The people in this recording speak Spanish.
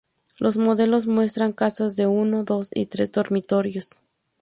Los modelos muestran casas de uno, dos y tres dormitorios.